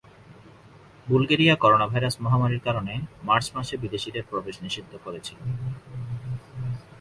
Bulgaria coronavirus মহামারীর কারণে March মাসে বিদেশীদের প্রবেশ নিষিদ্ধ করেছিল।